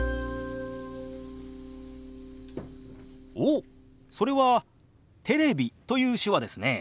おっそれは「テレビ」という手話ですね。